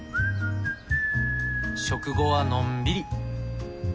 食後はのんびり。